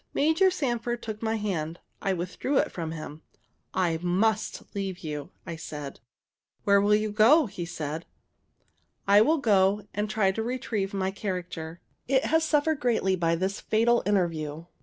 Major Sanford took my hand. I withdrew it from him. "I must leave you," said I. "Where will you go?" said he. "I will go and try to retrieve my character. It has suffered greatly by this fatal interview."